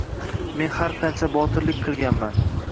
Men har qancha botirlik qilganman.